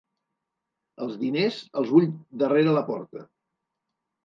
Els diners, els vull darrere la porta.